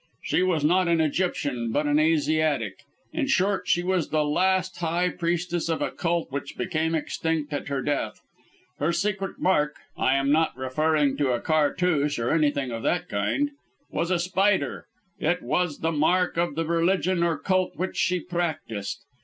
She was not an Egyptian, but an Asiatic. In short, she was the last high priestess of a cult which became extinct at her death. Her secret mark I am not referring to a cartouche or anything of that kind was a spider; it was the mark of the religion or cult which she practised.